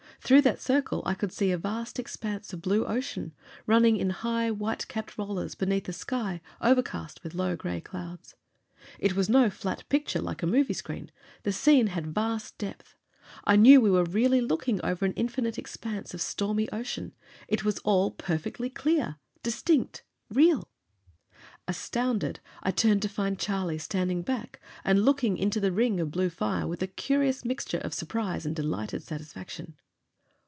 Through that circle I could see a vast expanse of blue ocean, running in high, white capped rollers, beneath a sky overcast with low gray clouds. It was no flat picture like a movie screen. The scene had vast depth; I knew that we were really looking over an infinite expanse of stormy ocean. It was all perfectly clear, distinct, real! Astounded, I turned to find Charlie standing back and looking into the ring of blue fire, with a curious mixture of surprise and delighted satisfaction.